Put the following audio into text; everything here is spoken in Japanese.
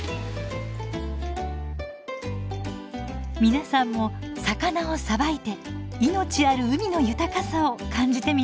皆さんも魚をさばいて命ある海の豊かさを感じてみませんか？